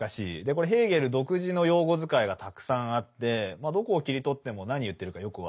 これヘーゲル独自の用語遣いがたくさんあってどこを切り取っても何言ってるかよく分からない。